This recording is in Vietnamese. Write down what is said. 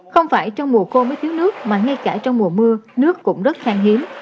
không phải trong mùa khô mới thiếu nước mà ngay cả trong mùa mưa nước cũng rất khang hiếm